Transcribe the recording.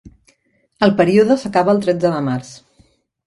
El període s'acaba el tretze de març.